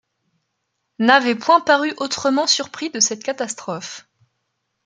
n’avait point paru autrement surpris de cette catastrophe.